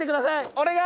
お願い！